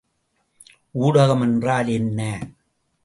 ஊடகம் என்றால் என்ன?